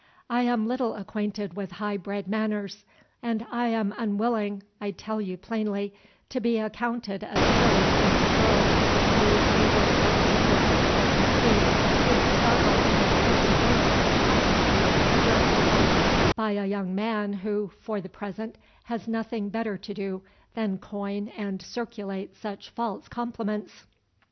I am little acquainted with high bred manners, and I am unwilling, I tell you plainly, to be accounted a silly country girl, who, either from ignorance or conceit, is startled at every word of gallantry addressed to her by a young man, who, for the present, has nothing better to do than coin and circulate such false compliments.